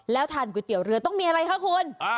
แล้วทานก๋วยเตี๋ยวเรือต้องมีอะไรคะคุณ